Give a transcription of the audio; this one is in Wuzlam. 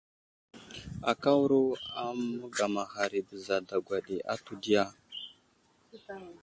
Akáwuro a məgamaghar i bəra dagwa ɗi atu diya ?